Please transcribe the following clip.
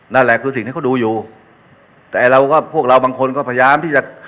นั่นแหละคือสิ่งที่เขาดูอยู่แต่เราก็พวกเราบางคนก็พยายามที่จะ